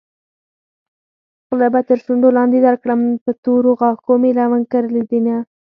خوله به تر شونډو لاندې درکړم په تورو غاښو مې لونګ کرلي دينه